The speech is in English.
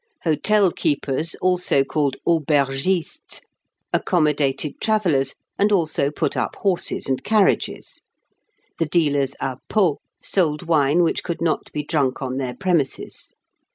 Hotel keepers, also called aubergistes, accommodated travellers, and also put up horses and carriages. The dealers à pot sold wine which could not be drunk on their premises.